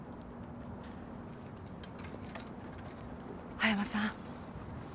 葉山さん。